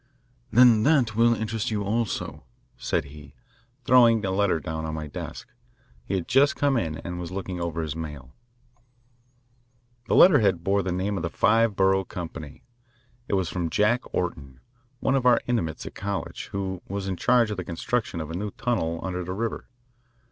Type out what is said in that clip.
"Then that will interest you, also," said he, throwing a letter down on my desk. He had just come in and was looking over his mail. The letterhead bore the name of the Five Borough Company. It was from Jack Orton, one of our intimates at college, who was in charge of the construction of a new tunnel under the river.